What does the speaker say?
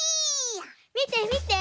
みてみて！